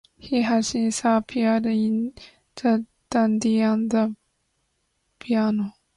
He has since appeared in "The Dandy" and "The Beano".